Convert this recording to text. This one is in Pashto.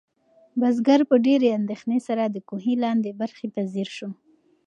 بزګر په ډېرې اندېښنې سره د کوهي لاندې برخې ته ځیر شو.